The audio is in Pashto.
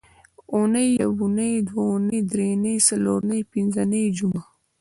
اونۍ یونۍ دونۍ درېنۍ څلورنۍ پینځنۍ جمعه